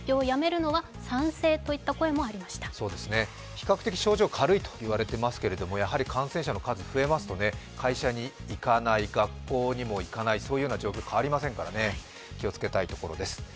比較的症状が軽いといわれていますけどやはり感染者の数が増えますと、会社に行かない、学校にも行かないそういう状況、変わりませんからね、気をつけたいところです。